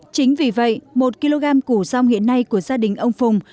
chính vì vậy một kg củ rong hiện nay của gia đình ông phùng